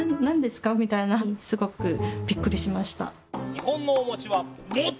日本のおは。